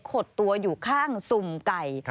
ขดตัวอยู่ข้างสุ่มไก่